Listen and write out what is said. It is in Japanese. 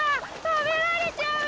食べられちゃうよ！